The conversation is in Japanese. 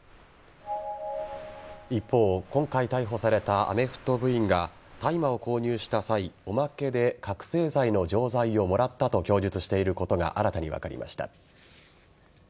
一方今回逮捕されたアメフト部員が大麻を購入した際おまけで覚醒剤の錠剤をもらったと供述していることが新たに分かりました。